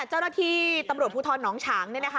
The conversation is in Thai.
เจ้าหน้าที่ตำรวจภูทรหนองฉางเนี่ยนะคะ